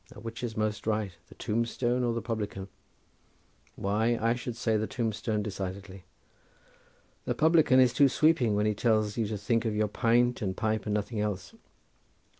Now, which is most right, the tombstone or the publican? Why, I should say the tombstone decidedly. The publican is too sweeping when he tells you to think of your pint and pipe and nothing else.